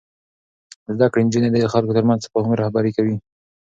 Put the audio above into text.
زده کړې نجونې د خلکو ترمنځ تفاهم رهبري کوي.